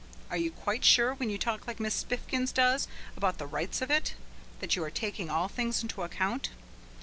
Are you quite sure when you talk like Miss Spiffkins does about the rights of it, that you are taking all things into account?